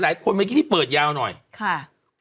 ตราบใดที่ตนยังเป็นนายกอยู่